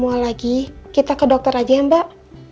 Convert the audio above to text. mual lagi kita ke dokter aja ya mbak